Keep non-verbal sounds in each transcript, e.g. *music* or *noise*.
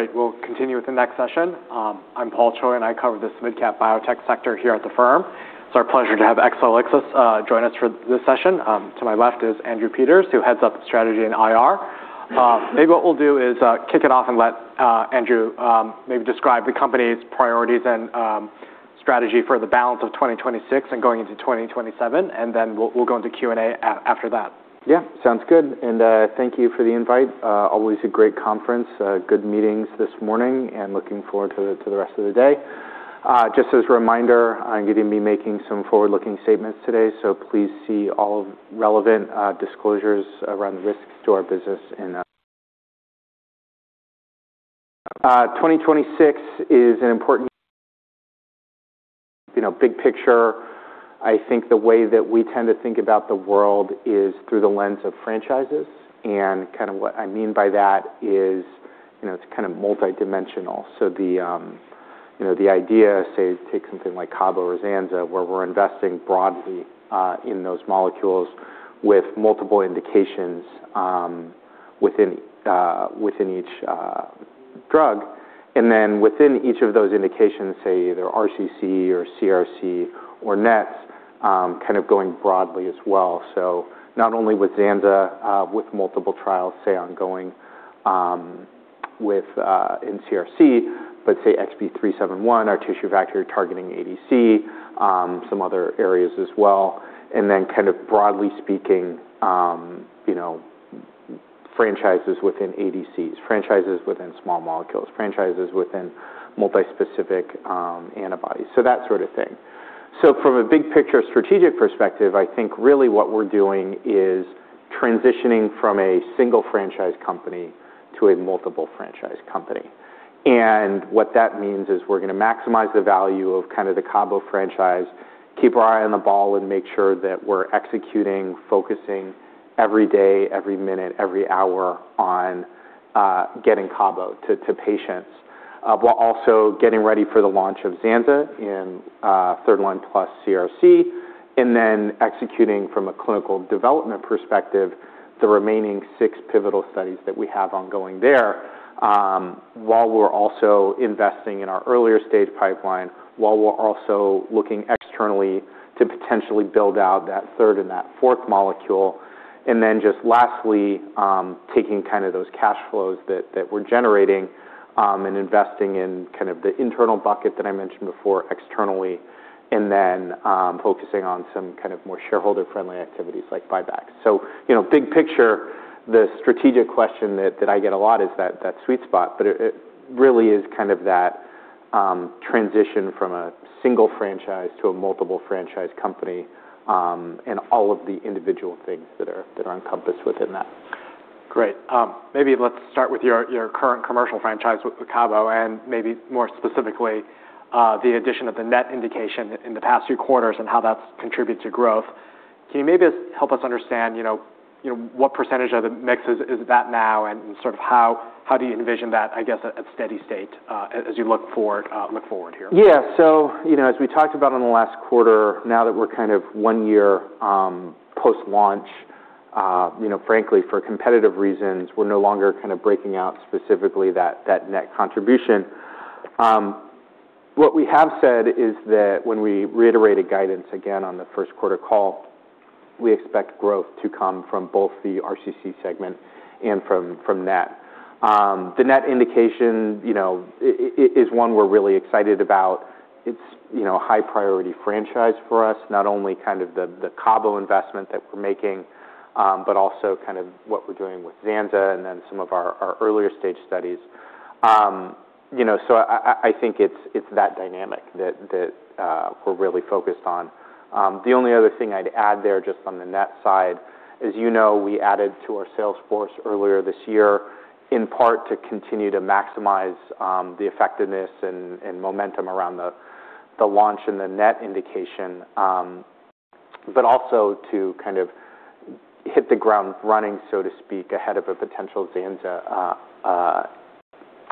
Great. We'll continue with the next session. I'm Paul Choi, I cover this mid-cap biotech sector here at the firm. It's our pleasure to have Exelixis join us for this session. To my left is Andrew Peters, who heads up Strategy and IR. Maybe what we'll do is kick it off and let Andrew maybe describe the company's priorities and strategy for the balance of 2026 and going into 2027. Then we'll go into Q&A after that. Yeah. Sounds good. Thank you for the invite. Always a great conference, good meetings this morning, looking forward to the rest of the day. Just as a reminder, I'm going to be making some forward-looking statements today, please see all relevant disclosures around the risks to our business in 2026 is an important Big picture, I think the way that we tend to think about the world is through the lens of franchises, what I mean by that is it's multidimensional. The idea, say, take something like cabo or zanza, where we're investing broadly in those molecules with multiple indications within each drug, then within each of those indications, say, either RCC or CRC or NET, going broadly as well. Not only with zanza with multiple trials, say, ongoing in CRC, but say XB371, our tissue factor-targeting ADC, some other areas as well. Then broadly speaking, franchises within ADCs, franchises within small molecules, franchises within multi-specific antibodies. That sort of thing. From a big-picture strategic perspective, I think really what we're doing is transitioning from a single-franchise company to a multiple-franchise company. What that means is we're going to maximize the value of the cabo franchise, keep our eye on the ball, make sure that we're executing, focusing every day, every minute, every hour on getting cabo to patients, while also getting ready for the launch of zanza in third line plus CRC, then executing from a clinical development perspective, the remaining six pivotal studies that we have ongoing there, while we're also investing in our earlier stage pipeline, while we're also looking externally to potentially build out that third and that fourth molecule. Then just lastly, taking those cash flows that we're generating, investing in the internal bucket that I mentioned before externally, then focusing on some more shareholder-friendly activities like buybacks. Big picture, the strategic question that I get a lot is that sweet spot, but it really is that transition from a single-franchise to a multiple-franchise company, and all of the individual things that are encompassed within that. Great. Let's start with your current commercial franchise with the cabo and more specifically, the addition of the net indication in the past few quarters and how that's contributed to growth. Can you just help us understand what percentage of the mix is that now and how do you envision that, I guess, at steady state, as you look forward here? As we talked about in the last quarter, now that we're one year post-launch, frankly, for competitive reasons, we're no longer breaking out specifically that net contribution. What we have said is that when we reiterated guidance again on the Q1 call, we expect growth to come from both the RCC segment and from net. The net indication is one we're really excited about. It's a high-priority franchise for us, not only the cabo investment that we're making, but also what we're doing with zanzalintinib and then some of our earlier-stage studies. I think it's that dynamic that we're really focused on. The only other thing I'd add there, just on the net side, as you know, we added to our sales force earlier this year, in part to continue to maximize the effectiveness and momentum around the launch and the net indication, but also to hit the ground running, so to speak, ahead of a potential zanzalintinib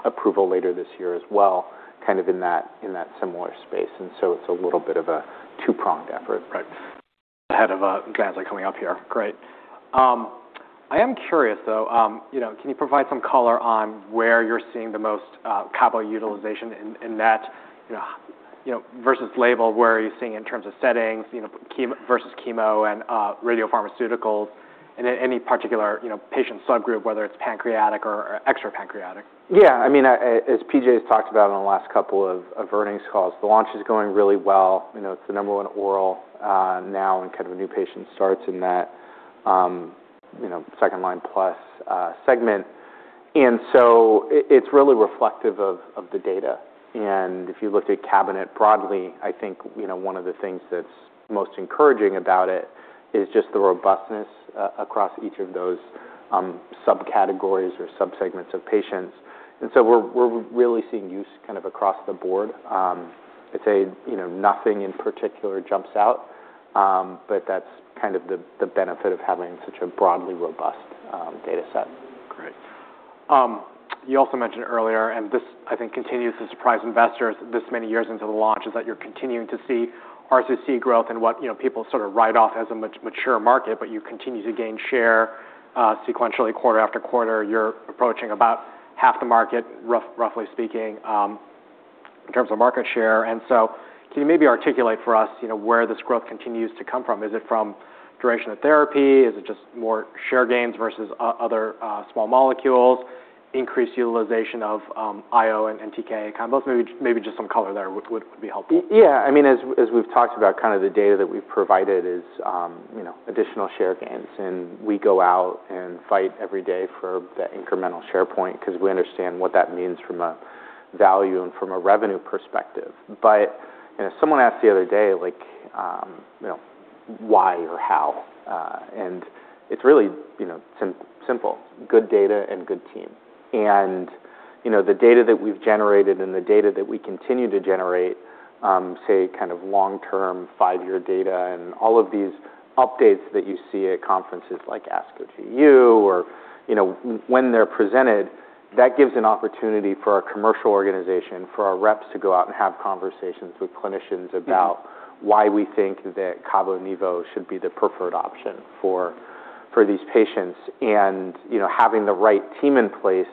approval later this year as well, in that similar space. It's a little bit of a two-pronged effort. Right. Ahead of zanza coming up here. Great. I am curious, though, can you provide some color on where you're seeing the most cabo utilization in that versus label, where are you seeing in terms of settings versus chemo and radiopharmaceuticals in any particular patient subgroup, whether it's pancreatic or extra-pancreatic? Yeah. As P.J.'s talked about on the last couple of earnings calls, the is going really well. It's the number 1 oral now in new patient starts in that second-line plus segment. It's really reflective of the data. If you looked at cabo broadly, I think one of the things that's most encouraging about it is just the robustness across each of those subcategories or subsegments of patients. So we're really seeing use across the board. I'd say nothing in particular jumps out, but that's the benefit of having such a broadly robust data set. Great. You also mentioned earlier, I think continues to surprise investors this many years into the launch is that you're continuing to see RCC growth and what people sort of write off as a much mature market, but you continue to gain share sequentially quarter-after-quarter. You're approaching about half the market, roughly speaking, in terms of market share. Can you maybe articulate for us where this growth continues to come from? Is it from duration of therapy? Is it just more share gains versus other small molecules, increased utilization of IO and TKIs combos? Maybe just some color there would be helpful. Yeah. As we've talked about, kind of the data that we've provided is additional share gains, and we go out and fight every day for that incremental share point because we understand what that means from a value and from a revenue perspective. Someone asked the other day, why or how? It's really simple. Good data and good team. The data that we've generated and the data that we continue to generate, say, kind of long-term, five-year data, and all of these updates that you see at conferences like ASCO, GU, or when they're presented, that gives an opportunity for our commercial organization, for our reps to go out and have conversations with clinicians about why we think that cabo-nivo should be the preferred option for these patients. Having the right team in place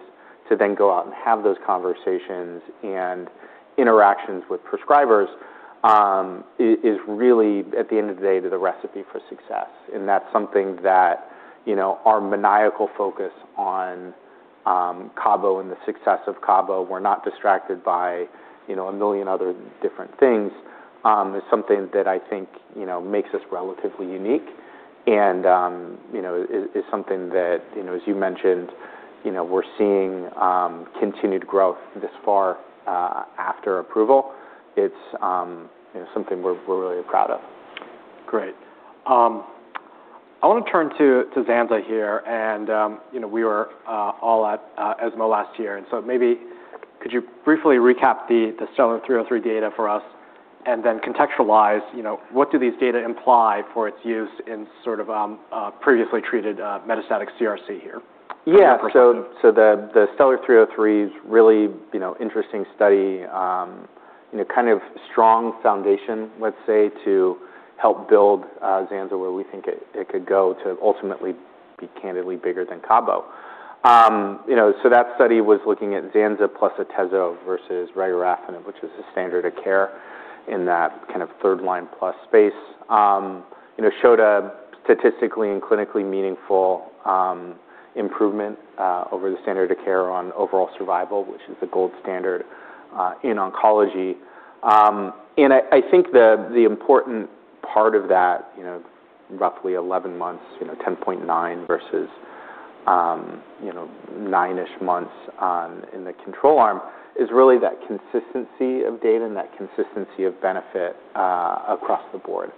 to then go out and have those conversations and interactions with prescribers is really, at the end of the day, the recipe for success. That's something that our maniacal focus on cabo and the success of cabo, we're not distracted by a million other different things, is something that I think makes us relatively unique and is something that, as you mentioned we're seeing continued growth this far after approval. It's something we're really proud of. Great. I want to turn to zanza here. We were all at ESMO last year. Maybe could you briefly recap the STELLAR-303 data for us and then contextualize what do these data imply for its use in sort of previously treated metastatic CRC here? The STELLAR-303's really interesting study, kind of strong foundation, let's say, to help build zanza where we think it could go to ultimately be candidly bigger than cabo. That study was looking at zanza plus Atezo versus regorafenib, which is the standard of care in that kind of third-line plus space. It showed a statistically and clinically meaningful improvement over the standard of care on overall survival, which is the gold standard in oncology. I think the important part of that roughly 11 months, 10.9 versus nine-ish months in the control arm, is really that consistency of data and that consistency of benefit across the board.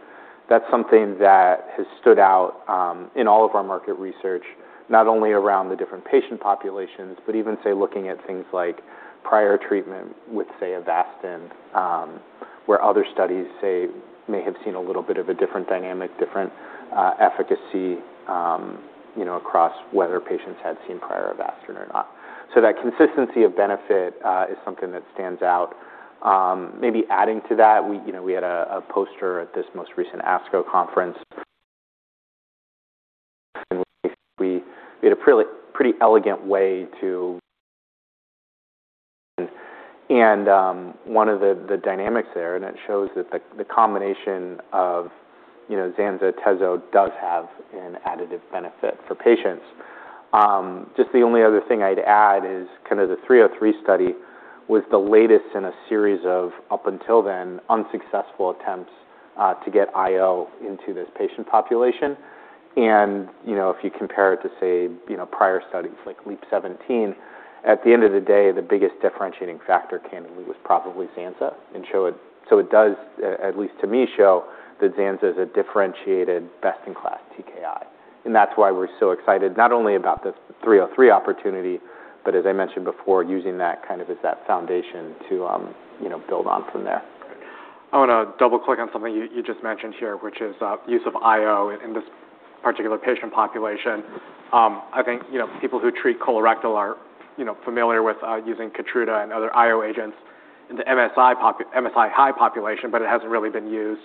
That's something that has stood out in all of our market research, not only around the different patient populations, but even, say, looking at things like prior treatment with, say, Avastin where other studies, say, may have seen a little bit of a different dynamic, different efficacy across whether patients had seen prior Avastin or not. That consistency of benefit is something that stands out. Maybe adding to that, we had a poster at this most recent ASCO conference. *audio distortion* One of the dynamics there, and it shows that the combination of zanza+atezo does have an additive benefit for patients. Just the only other thing I'd add is kind of the 303 study was the latest in a series of, up until then, unsuccessful attempts to get IO into this patient population. If you compare it to, say, prior studies like LEAP-017, at the end of the day, the biggest differentiating factor candidly was probably zanzalintinib. So it does, at least to me, show that zanzalintinib is a differentiated best-in-class TKI, that's why we're so excited, not only about this 303 opportunity, but as I mentioned before, using that kind of as that foundation to build on from there. Great. I want to double-click on something you just mentioned here, which is use of IO in this particular patient population. I think people who treat colorectal are familiar with using KEYTRUDA and other IO agents in the MSI-high population, but it hasn't really been used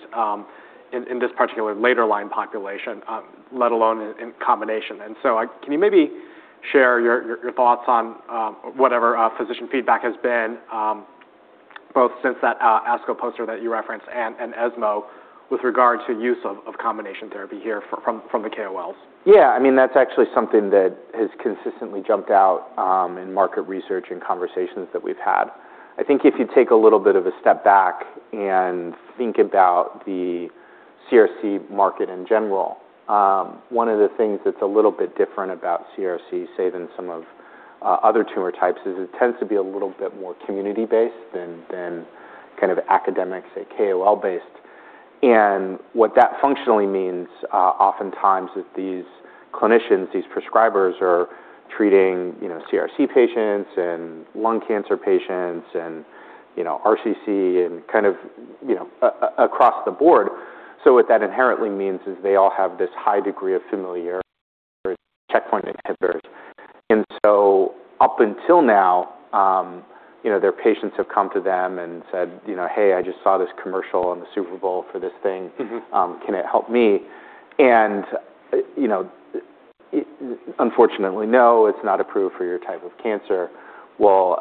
in this particular later-line population, let alone in combination. Can you maybe share your thoughts on whatever physician feedback has been, both since that ASCO poster that you referenced and ESMO with regard to use of combination therapy here from the KOLs? Yeah. That's actually something that has consistently jumped out in market research and conversations that we've had. I think if you take a little bit of a step back and think about the CRC market in general, one of the things that's a little bit different about CRC, say, than some of other tumor types, is it tends to be a little bit more community-based than kind of academic, say, KOL-based. What that functionally means, oftentimes, is these clinicians, these prescribers are treating CRC patients and lung cancer patients and RCC and kind of across the board. What that inherently means is they all have this high degree of familiarity with checkpoint inhibitors. Up until now, their patients have come to them and said, "Hey, I just saw this commercial on the Super Bowl for this thing. Can it help me?" Unfortunately, no, it's not approved for your type of cancer. Well,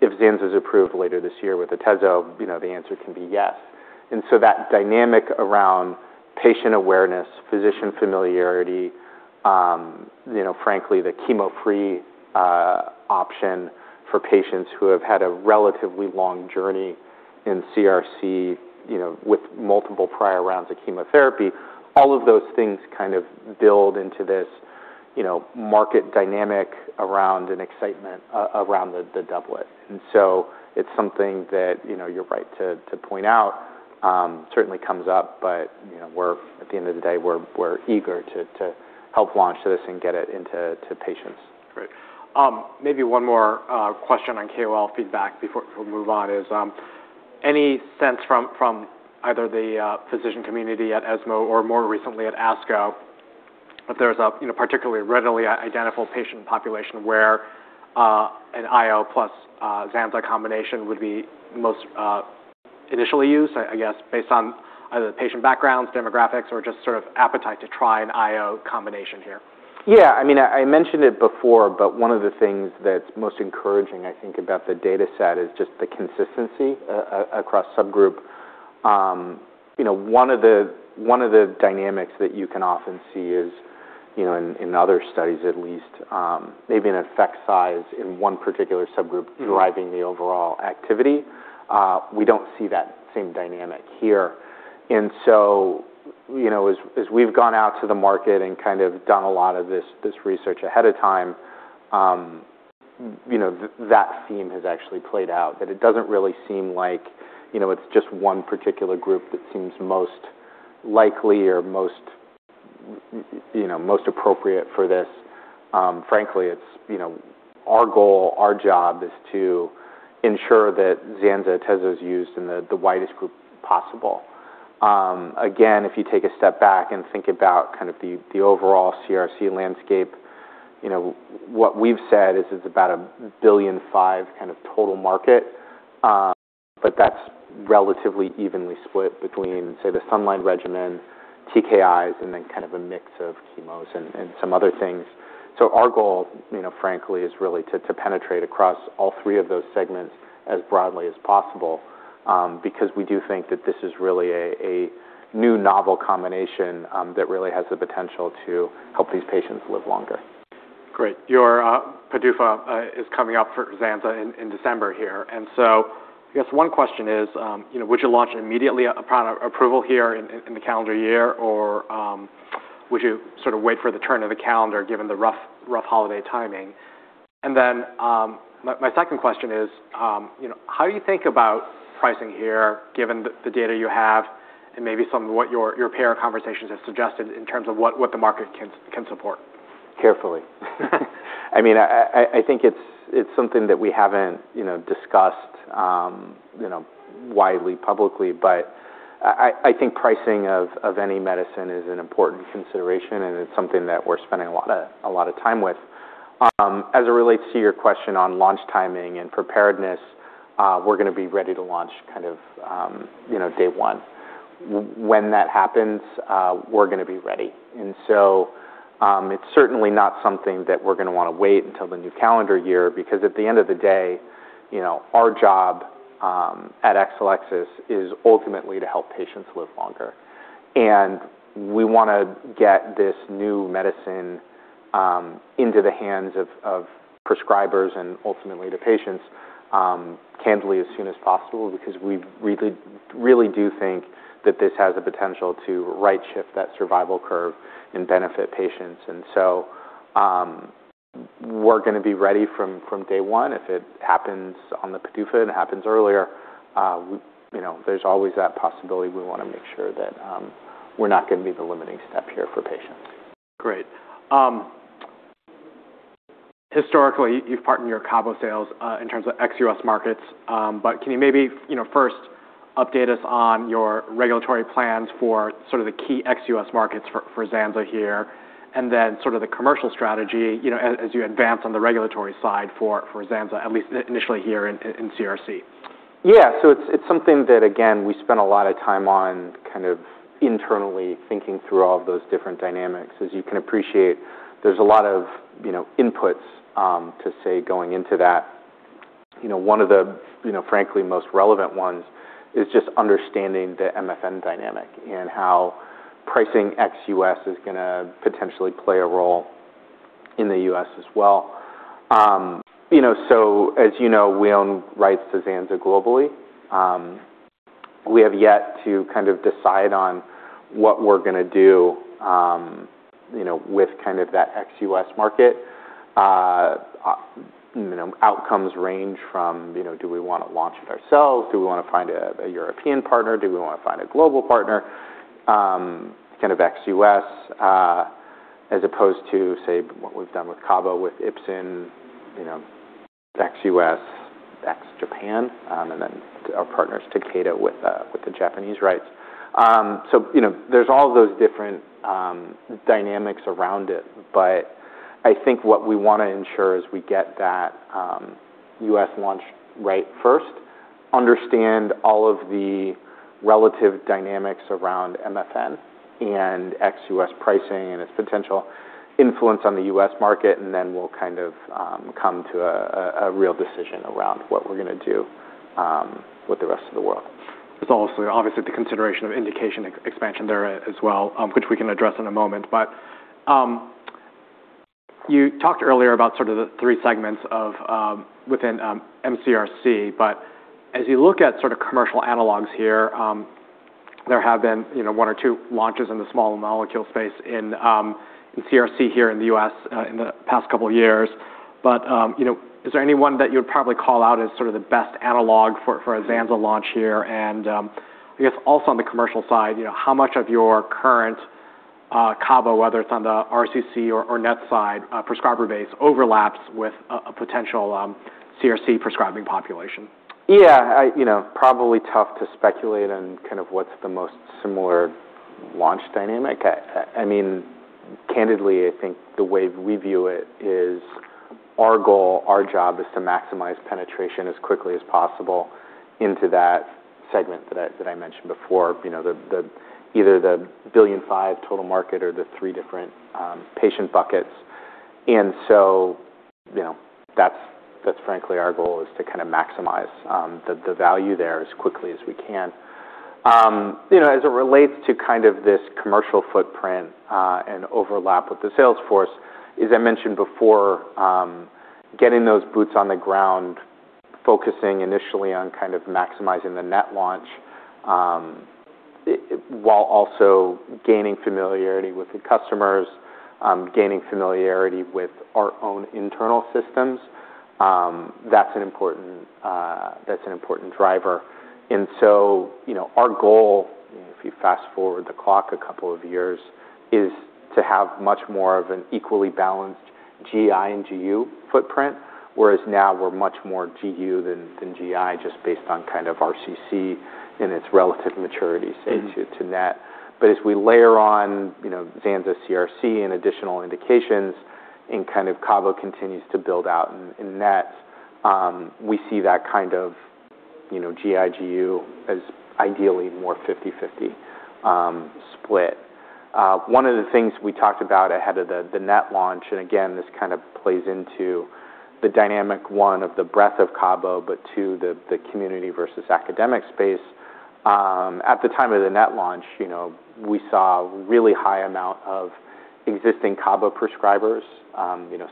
if zanzalintinib's approved later this year with atezolizumab, the answer can be yes. That dynamic around patient awareness, physician familiarity, frankly, the chemo-free option for patients who have had a relatively long journey in CRC with multiple prior rounds of chemotherapy, all of those things kind of build into this market dynamic around an excitement around the doublet. It's something that you're right to point out. Certainly comes up, but at the end of the day, we're eager to help launch this and get it into patients. Great. Maybe one more question on KOL feedback before we move on is, any sense from either the physician community at ESMO or more recently at ASCO, that there's a particularly readily identifiable patient population where an IO plus zanza combination would be most initially used, I guess, based on either the patient backgrounds, demographics, or just sort of appetite to try an IO combination here? Yeah. I mentioned it before, but one of the things that's most encouraging, I think, about the data set is just the consistency across subgroup. One of the dynamics that you can often see is, in other studies at least, maybe an effect size in one particular subgroup driving the overall activity. We don't see that same dynamic here. As we've gone out to the market and kind of done a lot of this research ahead of time, that theme has actually played out. That it doesn't really seem like it's just one particular group that seems most likely or most appropriate for this. Frankly, our goal, our job is to ensure that zanza/atezolizumab is used in the widest group possible. Again, if you take a step back and think about kind of the overall CRC landscape, what we've said is it's about a $1.5 billion kind of total market, but that's relatively evenly split between, say, the frontline regimen, TKIs, and then kind of a mix of chemos and some other things. Our goal, frankly, is really to penetrate across all three of those segments as broadly as possible, because we do think that this is really a new novel combination that really has the potential to help these patients live longer. Great. Your PDUFA is coming up for zanza in December here. I guess one question is, would you launch immediately upon approval here in the calendar year, or would you sort of wait for the turn of the calendar given the rough holiday timing? My second question is, how do you think about pricing here given the data you have and maybe some of what your payer conversations have suggested in terms of what the market can support? Carefully. I think it's something that we haven't discussed widely publicly, I think pricing of any medicine is an important consideration, and it's something that we're spending a lot of time with. As it relates to your question on launch timing and preparedness, we're going to be ready to launch kind of day one. When that happens, we're going to be ready. It's certainly not something that we're going to want to wait until the new calendar year, because at the end of the day, our job at Exelixis is ultimately to help patients live longer. We want to get this new medicine into the hands of prescribers and ultimately to patients candidly as soon as possible, because we really do think that this has the potential to right-shift that survival curve and benefit patients. We're going to be ready from day one. If it happens on the PDUFA and it happens earlier, there's always that possibility. We want to make sure that we're not going to be the limiting step here for patients. Great. Historically, you've partnered your cabo sales in terms of ex-U.S. markets. Can you maybe first update us on your regulatory plans for sort of the key ex-U.S. markets for zanza here, and then sort of the commercial strategy as you advance on the regulatory side for zanza, at least initially here in CRC? Yeah. It's something that, again, we spent a lot of time on kind of internally thinking through all of those different dynamics. As you can appreciate, there's a lot of inputs to, say, going into that. One of the, frankly, most relevant ones is just understanding the MFN dynamic and how pricing ex-U.S. is going to potentially play a role in the U.S. as well. As you know, we own rights to zanza globally. We have yet to kind of decide on what we're going to do with kind of that ex-U.S. market. Outcomes range from do we want to launch it ourselves? Do we want to find a European partner? Do we want to find a global partner kind of ex-U.S.? As opposed to, say, what we've done with cabo, with Ipsen-ex-U.S., ex-Japan, and then our partners, Takeda, with the Japanese rights. There's all those different dynamics around it, but I think what we want to ensure is we get that U.S. launch right first, understand all of the relative dynamics around MFN and ex-U.S. pricing and its potential influence on the U.S. market, and then we'll kind of come to a real decision around what we're going to do with the rest of the world. There's also obviously the consideration of indication expansion there as well, which we can address in a moment. You talked earlier about sort of the three segments within mCRC, but as you look at sort of commercial analogs here, there have been one or two launches in the small molecule space in CRC here in the U.S. in the past couple of years. Is there any one that you would probably call out as sort of the best analog for a zanzalintinib launch here? I guess also on the commercial side, how much of your current cabo, whether it's on the RCC or NET side prescriber base, overlaps with a potential CRC prescribing population? Yeah. Probably tough to speculate on kind of what's the most similar launch dynamic. I mean, candidly, I think the way we view it is our goal, our job, is to maximize penetration as quickly as possible into that segment that I mentioned before, either the $1.5 billion total market or the three different patient buckets. That's frankly our goal is to kind of maximize the value there as quickly as we can. As it relates to kind of this commercial footprint and overlap with the sales force, as I mentioned before, getting those boots on the ground, focusing initially on kind of maximizing the NET launch, while also gaining familiarity with the customers, gaining familiarity with our own internal systems, that's an important driver. Our goal, if you fast-forward the clock a couple of years, is to have much more of an equally balanced GI and GU footprint, whereas now we're much more GU than GI, just based on kind of RCC and its relative maturity, say, this is to NET. As we layer on zanza CRC and additional indications and kind of cabo continues to build out in NET, we see that kind of GI/GU as ideally more 50/50 split. One of the things we talked about ahead of the NET launch, and again, this kind of plays into the dynamic, one, of the breadth of cabo, but two, the community versus academic space. At the time of the NET launch, we saw a really high amount of existing cabo prescribers,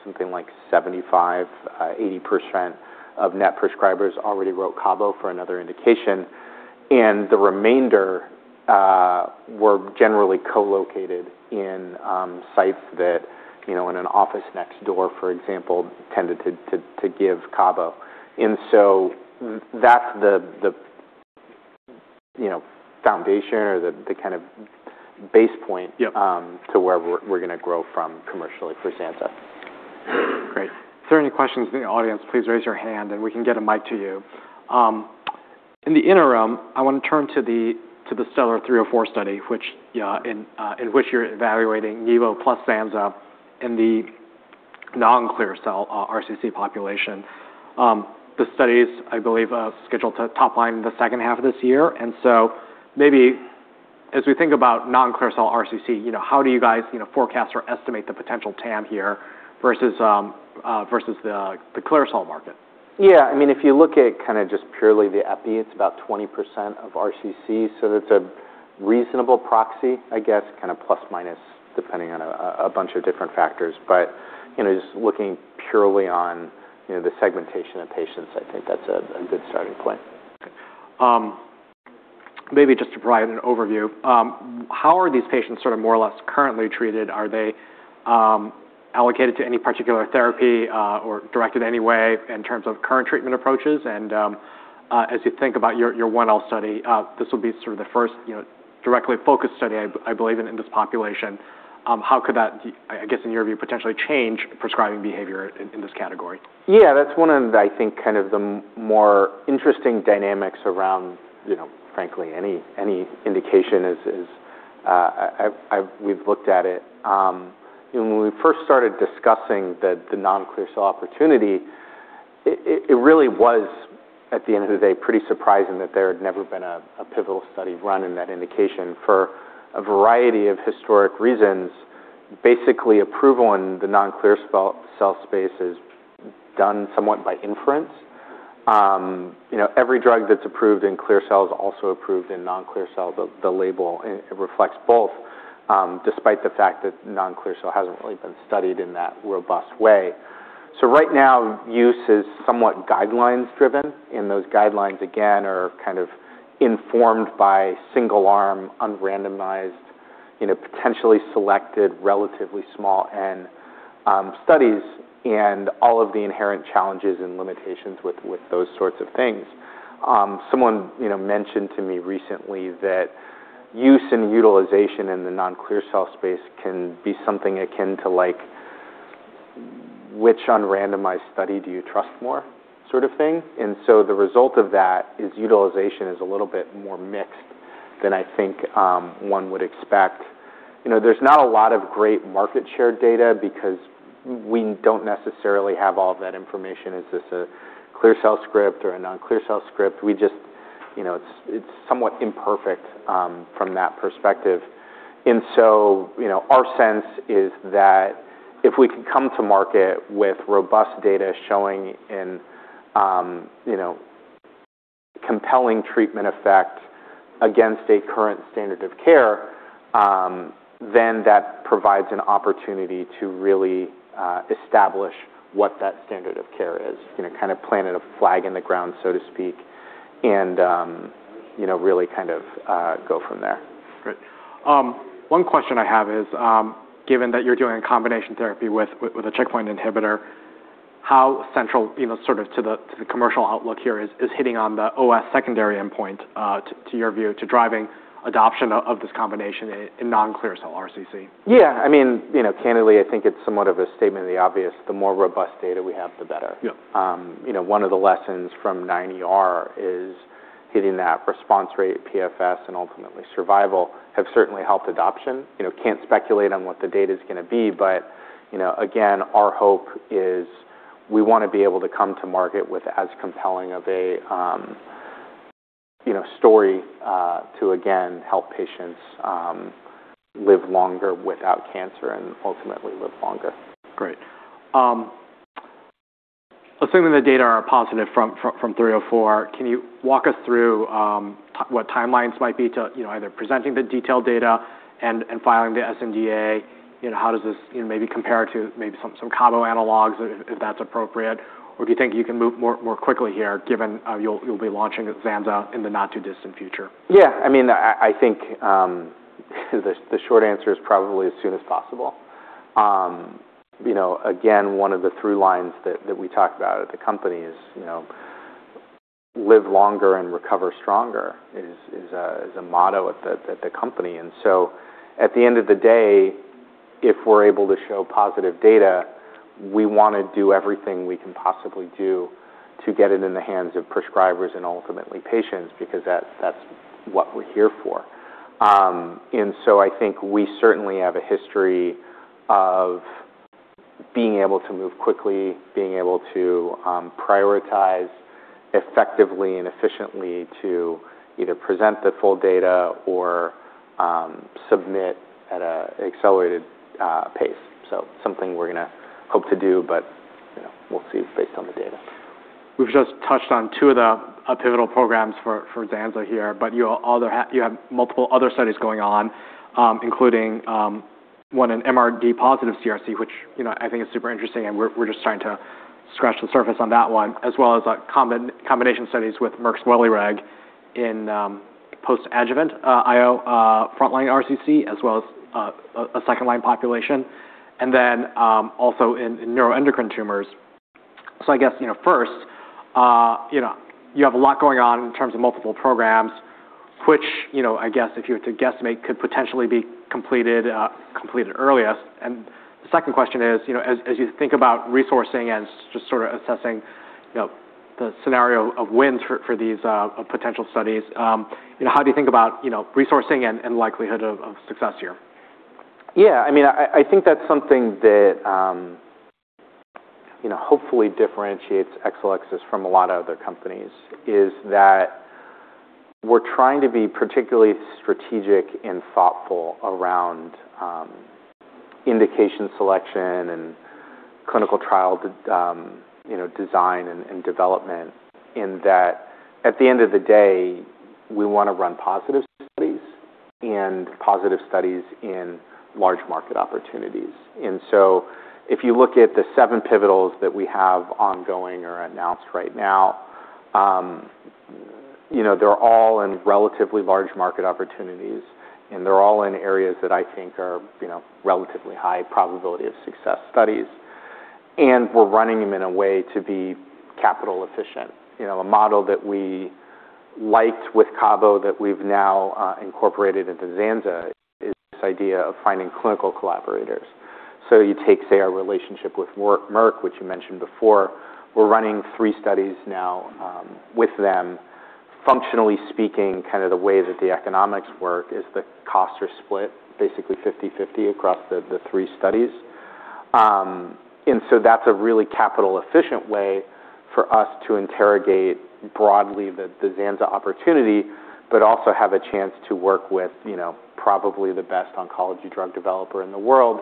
something like 75%-80% of NET prescribers already wrote cabo for another indication. The remainder were generally co-located in sites that in an office next door, for example, tended to give cabo. That's the foundation or the kind of base point- Yep -to where we're going to grow from commercially for zanza. Great. If there are any questions from the audience, please raise your hand and we can get a mic to you. In the interim, I want to turn to the STELLAR-304 study, in which you're evaluating nivo plus zanza in the non-clear cell RCC population. The study is, I believe, scheduled to top line in the H2 of this year. Maybe as we think about non-clear cell RCC, how do you guys forecast or estimate the potential TAM here versus the clear cell market? Yeah. I mean, if you look at kind of just purely the epi, it's about 20% of RCC. That's a reasonable proxy, I guess, kind of plus/minus depending on a bunch of different factors. Just looking purely on the segmentation of patients, I think that's a good starting point. Okay. Maybe just to provide an overview, how are these patients sort of more or less currently treated? Are they allocated to any particular therapy or directed any way in terms of current treatment approaches? As you think about your 1L study, this will be sort of the first directly focused study, I believe, in this population. How could that, I guess, in your view, potentially change prescribing behavior in this category? Yeah, that's one of, I think, kind of the more interesting dynamics around frankly any indication is we've looked at it. When we first started discussing the non-clear cell opportunity, it really was, at the end of the day, pretty surprising that there had never been a pivotal study run in that indication for a variety of historic reasons. Basically, approval in the non-clear cell space is done somewhat by inference. Every drug that's approved in clear cell is also approved in non-clear cell, the label, it reflects both, despite the fact that Non-clear cell hasn't really been studied in that robust way. Right now, use is somewhat guidelines driven. Those guidelines, again, are kind of informed by single-arm, unrandomized, potentially selected, relatively small N studies, and all of the inherent challenges and limitations with those sorts of things. Someone mentioned to me recently that use and utilization in the non-clear cell space can be something akin to like, which unrandomized study do you trust more sort of thing. The result of that is utilization is a little bit more mixed than I think one would expect. There's not a lot of great market share data because we don't necessarily have all that information. Is this a clear cell script or a non-clear cell script? It's somewhat imperfect from that perspective. Our sense is that if we can come to market with robust data showing in compelling treatment effect against a current standard of care, then that provides an opportunity to really establish what that standard of care is, kind of planting a flag in the ground, so to speak, and really go from there. Great. One question I have is, given that you're doing a combination therapy with a checkpoint inhibitor, how central to the commercial outlook here is hitting on the OS secondary endpoint, to your view, to driving adoption of this combination in non-clear cell RCC? Yeah. Candidly, I think it's somewhat of a statement of the obvious. The more robust data we have, the better. Yeah. One of the lessons from CheckMate-9ER is hitting that response rate, PFS, and ultimately survival have certainly helped adoption. Can't speculate on what the data's going to be. Again, our hope is we want to be able to come to market with as compelling of a story to again, help patients live longer without cancer and ultimately live longer. Great. Assuming the data are positive from STELLAR-304, can you walk us through what timelines might be to either presenting the detailed data and filing the sNDA? How does this maybe compare to maybe some cabo analogues, if that's appropriate? Do you think you can move more quickly here, given you'll be launching zanza in the not-too-distant future? Yeah. I think the short answer is probably as soon as possible. One of the through lines that we talk about at the company is live longer and recover stronger is a motto at the company. At the end of the day, if we're able to show positive data, we want to do everything we can possibly do to get it in the hands of prescribers and ultimately patients, because that's what we're here for. I think we certainly have a history of being able to move quickly, being able to prioritize effectively and efficiently to either present the full data or submit at an accelerated pace. Something we're going to hope to do, but we'll see based on the data. We've just touched on two of the pivotal programs for zanza here, but you have multiple other studies going on, including one in MRD-positive CRC, which I think is super interesting, and we're just starting to scratch the surface on that one, as well as combination studies with Merck's WELIREG in post-adjuvant IO frontline RCC, as well as a second-line population, and then also in neuroendocrine tumors. I guess first, you have a lot going on in terms of multiple programs, which, I guess if you were to guesstimate, could potentially be completed earliest. The second question is, as you think about resourcing and just assessing the scenario of wins for these potential studies, how do you think about resourcing and likelihood of success here? Yeah, I think that's something that hopefully differentiates Exelixis from a lot of other companies, is that we're trying to be particularly strategic and thoughtful around indication selection and clinical trial design and development, in that at the end of the day, we want to run positive studies and positive studies in large market opportunities. If you look at the seven pivotals that we have ongoing or announced right now, they're all in relatively large market opportunities, and they're all in areas that I think are relatively high probability of success studies. We're running them in a way to be capital efficient. A model that we liked with cabo that we've now incorporated into zanza is this idea of finding clinical collaborators. You take, say, our relationship with Merck, which you mentioned before. We're running three studies now with them. Functionally speaking, the way that the economics work is the costs are split basically 50/50 across the three studies. That's a really capital efficient way for us to interrogate broadly the zanza opportunity, but also have a chance to work with probably the best oncology drug developer in the world,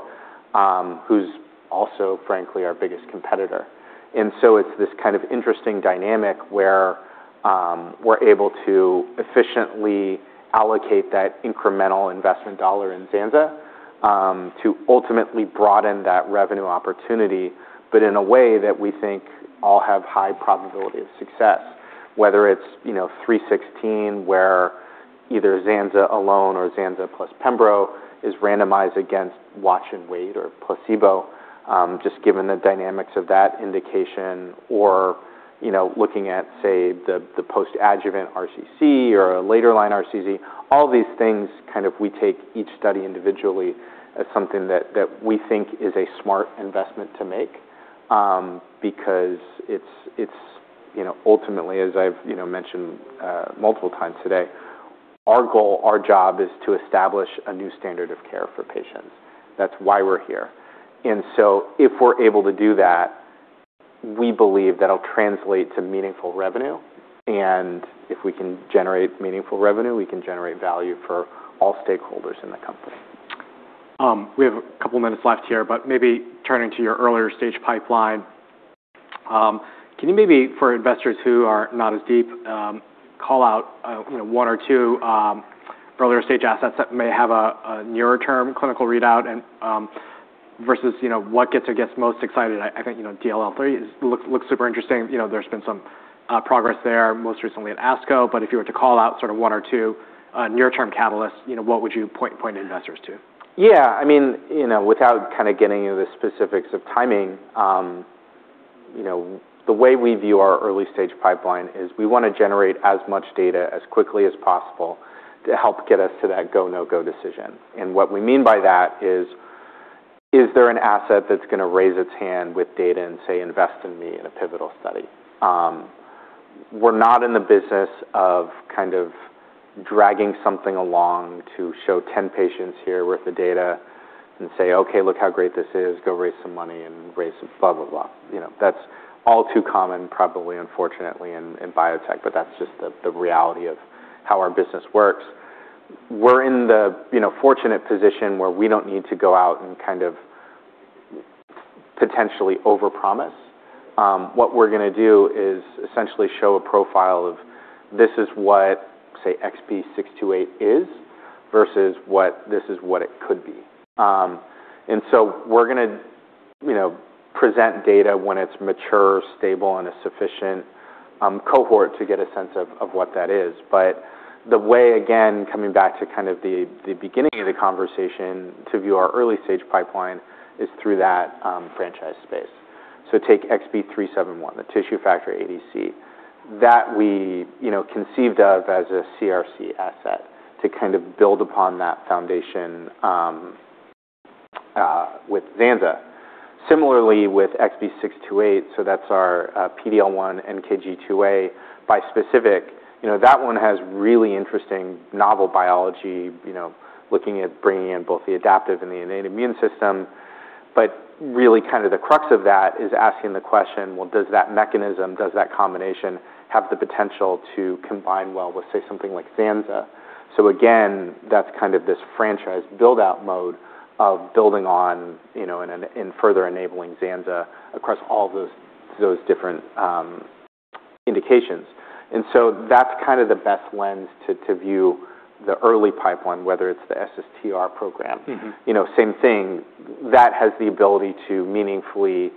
who's also, frankly, our biggest competitor. It's this kind of interesting dynamic where we're able to efficiently allocate that incremental investment dollar in zanza to ultimately broaden that revenue opportunity, but in a way that we think all have high probability of success, whether it's STELLAR-316, where Either zanza alone or zanza plus pembrolizumab is randomized against watch and wait or placebo, just given the dynamics of that indication or looking at, say, the post-adjuvant RCC or a later line RCC. All these things, we take each study individually as something that we think is a smart investment to make, because ultimately, as I've mentioned multiple times today, our goal, our job is to establish a new standard of care for patients. That's why we're here. If we're able to do that, we believe that'll translate to meaningful revenue. If we can generate meaningful revenue, we can generate value for all stakeholders in the company. We have a couple of minutes left here, maybe turning to your earlier stage pipeline, can you maybe for investors who are not as deep, call out one or two earlier stage assets that may have a nearer term clinical readout and versus what gets us most excited? I think DLL3 looks super interesting. There's been some progress there, most recently at ASCO. If you were to call out sort of one or two near-term catalysts, what would you point investors to? Yeah. Without getting into the specifics of timing, the way we view our early stage pipeline is we want to generate as much data as quickly as possible to help get us to that go, no-go decision. What we mean by that is there an asset that's going to raise its hand with data and say, "Invest in me in a pivotal study"? We're not in the business of dragging something along to show 10 patients here with the data and say, "Okay, look how great this is. Go raise some money and raise blah, blah." That's all too common, probably, unfortunately, in biotech, but that's just the reality of how our business works. We're in the fortunate position where we don't need to go out and potentially overpromise. What we're going to do is essentially show a profile of this is what, say, XB628 is versus this is what it could be. We're going to present data when it's mature, stable, and a sufficient cohort to get a sense of what that is. The way, again, coming back to the beginning of the conversation to view our early stage pipeline is through that franchise space. Take XB371, the tissue factor ADC, that we conceived of as a CRC asset to build upon that foundation with zanza. Similarly with XB628, so that's our PD-L1 NKG2A bispecific. That one has really interesting novel biology, looking at bringing in both the adaptive and the innate immune system. Really the crux of that is asking the question, well, does that mechanism, does that combination have the potential to combine well with, say, something like zanza? Again, that's this franchise build-out mode of building on and further enabling zanza across all those different indications. That's the best lens to view the early pipeline, whether it's the SSTR program. Same thing. That has the ability to meaningfully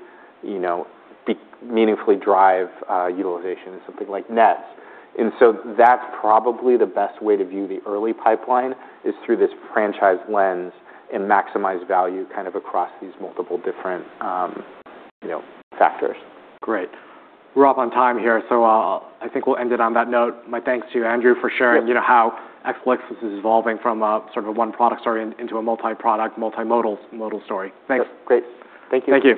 drive utilization in something like NETs. That's probably the best way to view the early pipeline is through this franchise lens and maximize value across these multiple different factors. Great. We're up on time here, so I think we'll end it on that note. My thanks to you, Andrew, for sharing. Yeah how Exelixis is evolving from a one product story into a multi-product, multimodal story. Thanks. Great. Thank you. Thank you.